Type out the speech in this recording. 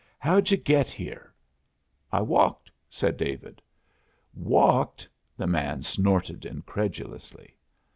"How'd you get here?" "I walked," said David. "Walked?" the man snorted incredulously.